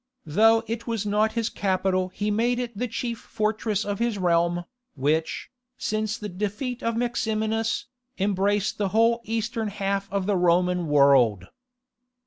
Though it was not his capital he made it the chief fortress of his realm, which, since the defeat of Maximinus, embraced the whole eastern half of the Roman world.